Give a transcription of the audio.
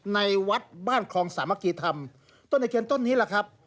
ในวัดบ้านคลองสามัคคีธรรมต้นตะเคียนต้นนี้แหละครับ